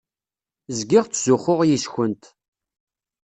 Zgiɣ ttzuxxuɣ yes-kent.